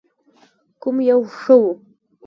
کوم یو ښه و؟